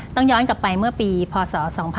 ต้องย้อนกลับไปเมื่อปีพศ๒๕๕๘